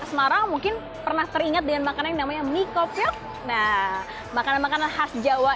ke semarang mungkin pernah teringat dengan makanan namanya mikopiok nah makanan makanan khas jawa